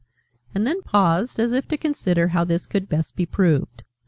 and then paused, as if to consider how this could best be proved.